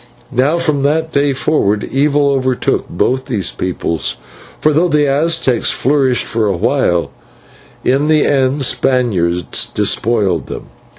"Now from that day forward evil overtook both these peoples, for though the Aztecs flourished for a while, in the end Spaniards despoiled them.